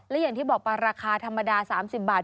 และอย่างที่บอกไปราคาธรรมดา๓๐บาท